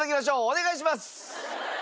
お願いします！